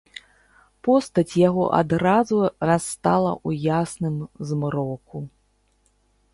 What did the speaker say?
Постаць яго адразу растала ў ясным змроку.